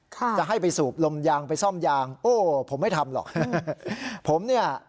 จะให้ไปสูบลมยางไปซ่อมยางโอ้ผมไม่ทำหรอกผมเนี่ย